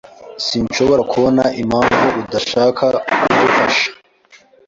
Sinshobora kubona impamvu udashaka kudufasha.